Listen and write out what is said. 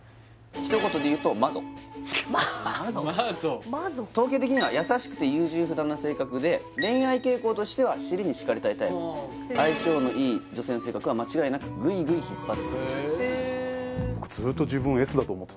ひと言でいうとマゾマゾマゾ統計的には優しくて優柔不断な性格で恋愛傾向としては尻に敷かれたいタイプ相性のいい女性の性格は間違いなくグイグイ引っ張ってくれる人です